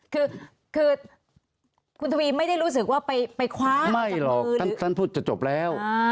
คือคือคุณทวีไม่ได้รู้สึกว่าไปคว้าไม่หรอกท่านพูดจะจบแล้ว